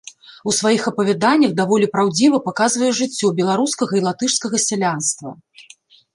У сваіх апавяданнях даволі праўдзіва паказвае жыццё беларускага і латышскага сялянства.